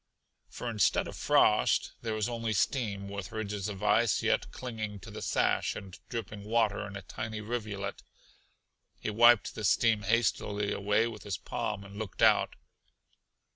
For instead of frost there was only steam with ridges of ice yet clinging to the sash and dripping water in a tiny rivulet. He wiped the steam hastily away with his palm and looked out.